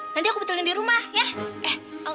nanti aku betulin di rumah ya eh